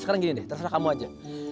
sekarang gini deh terserah kamu aja